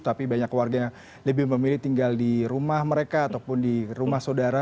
tapi banyak warga yang lebih memilih tinggal di rumah mereka ataupun di rumah saudara